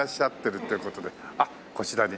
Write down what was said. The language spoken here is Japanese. あっこちらに。